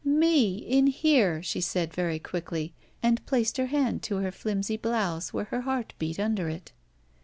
" Me, in here," she said, very quickly, and placed her hand to her flimsy blouse where her heart beat under it.